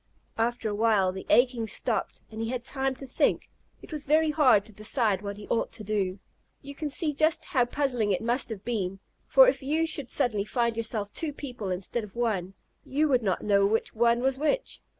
After a while the aching stopped, and he had time to think. It was very hard to decide what he ought to do. You can see just how puzzling it must have been, for, if you should suddenly find yourself two people instead of one, you would not know which one was which.